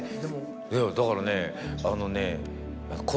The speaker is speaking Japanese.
だからねあのね。